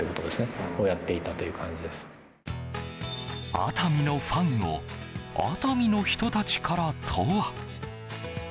熱海のファンを熱海の人たちからと。